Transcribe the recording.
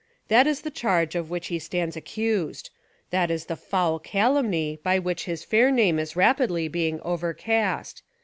That is the charge of which he stands accused. That is the foul calumny by which his fair name is rapidly being overcast.